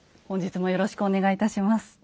本日もよろしくお願いいたします。